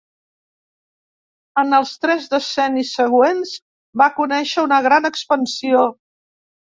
En els tres decennis següents va conèixer una gran expansió.